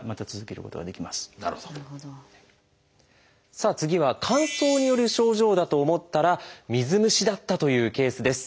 さあ次は乾燥による症状だと思ったら水虫だったというケースです。